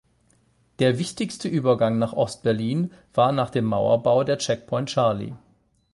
Der wichtigste Übergang nach Ost-Berlin war nach dem Mauerbau der Checkpoint Charlie.